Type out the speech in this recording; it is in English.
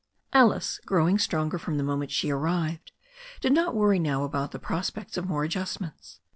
Alice, growing stronger from the moment she arrived, did not worry now about the prospects of more adjust ments.